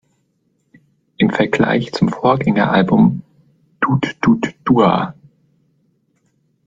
Im Vergleich zum Vorgängeralbum „"Dut-Dut-Duah!